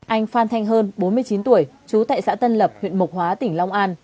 anh phan thanh hơn bốn mươi chín tuổi trú tại xã tân lập huyện mộc hóa tỉnh long an